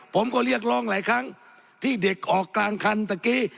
ผมก็เรียกร้องหลายครั้งที่เด็กออกกลางคันตะกี้